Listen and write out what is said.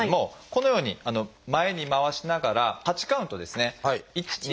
このように前に回しながら８カウントですね。